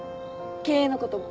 経営のことも。